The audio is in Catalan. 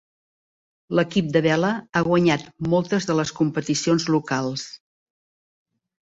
L'equip de vela ha guanyat moltes de les competicions locals.